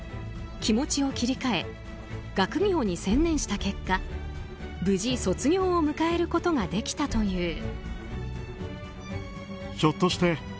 気持ちを切り替え学業に専念した結果無事、卒業を迎えることができたという。